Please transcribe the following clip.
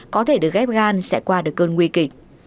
có thể được ghép gan sẽ qua được cơn nguy kịch